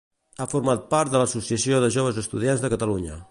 Ha format part de l'Associació de Joves Estudiants de Catalunya.